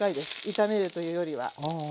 炒めるというよりは。